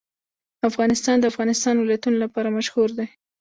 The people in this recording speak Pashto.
افغانستان د د افغانستان ولايتونه لپاره مشهور دی.